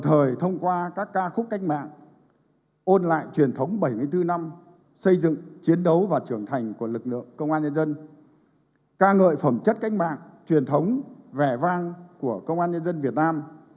thông qua các ca khúc về truyền thống cách mạng chương trình ôn lại truyền thống bảy mươi bốn năm xây dựng chiến đấu và trưởng thành của lực lượng công an nhân dân ca ngợi phẩm chất cách mạng truyền thống vẻ vang của công an nhân dân việt nam